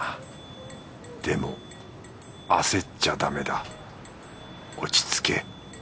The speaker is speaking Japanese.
でも焦っちゃダメだ落ち着け。